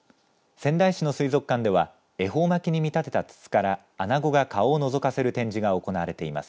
仙台市の水族館では恵方巻きに見立てた筒からアナゴが顔をのぞかせる展示が行われています。